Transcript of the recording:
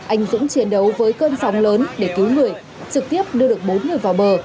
anh dũng chiến đấu với cơn sóng lớn để cứu người trực tiếp đưa được bốn người vào bờ